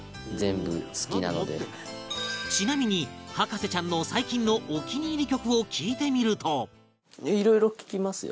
ちなみに、博士ちゃんの最近のお気に入り曲を聞いてみるといろいろ聴きますよ。